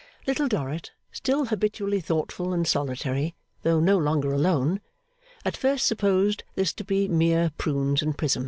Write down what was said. Little Dorrit, still habitually thoughtful and solitary though no longer alone, at first supposed this to be mere Prunes and Prism.